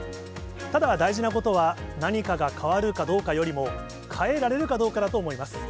ただ大事なことは、何かが変わるかどうかよりも、変えられるかどうかだと思います。